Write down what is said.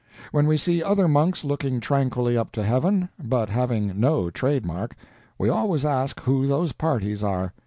When we see other monks looking tranquilly up to heaven, but having no trade mark, we always ask who those parties are.